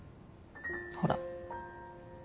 ほら。